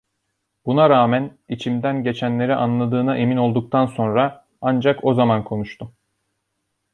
Buna rağmen, içimden geçenleri anladığına emin olduktan sonra, ancak o zaman konuştum.